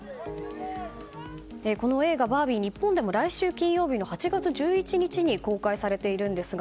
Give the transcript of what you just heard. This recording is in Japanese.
この映画「バービー」は日本でも、来週金曜日の８月１１日に公開されるんですが